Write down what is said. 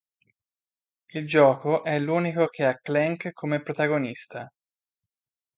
Il gioco è l'unico che ha Clank come protagonista.